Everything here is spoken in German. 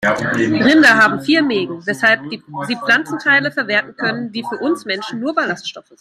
Rinder haben vier Mägen, weshalb sie Pflanzenteile verwerten können, die für uns Menschen nur Ballaststoffe sind.